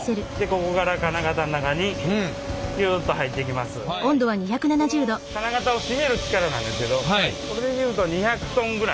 この金型を締める力なんですけどこれで言うと２００ｔぐらい。